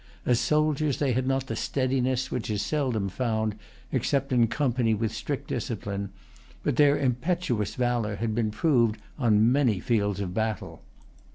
As soldiers, they had not the steadiness which is seldom found except in company with strict discipline; but their impetuous valor had been proved on many fields of battle.